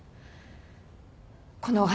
このお話。